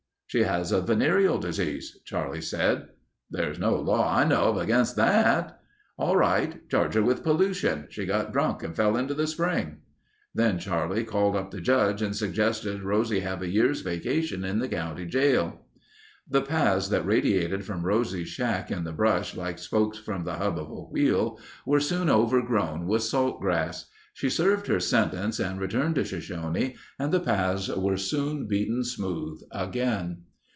"She has a venereal disease," Charlie said. "There's no law I know of against that...." "All right. Charge her with pollution. She got drunk and fell into the spring." Then Charlie called up the Judge and suggested Rosie have a year's vacation in the county jail. The paths that radiated from Rosie's shack in the brush like spokes from the hub of a wheel, were soon overgrown with salt grass. She served her sentence and returned to Shoshone and the paths were soon beaten smooth again.